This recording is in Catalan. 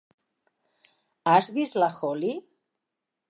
Has vist la Hollie?